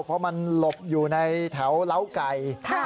เพราะมันหลบอยู่ในแถวเล้าไก่